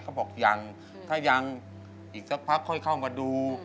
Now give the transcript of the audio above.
เขาบอกยังถ้ายังอีกสักพักค่อยเข้ามาดู